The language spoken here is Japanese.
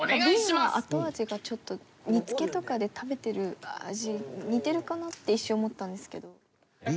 Ｂは後味がちょっと煮付けとかで食べてる味似てるかなって一瞬思ったんですけど。